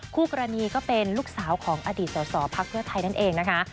คู่กรณีก็เป็นลูกสาวของอดีตสอสอพักเพื่อไทยนั่นเองนะคะ